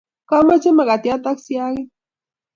kamoche mkatiat ak siagit.